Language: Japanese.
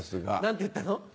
何て言ったの？